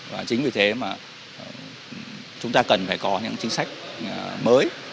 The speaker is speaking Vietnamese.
và chính vì thế mà chúng ta cần phải có những chính sách mới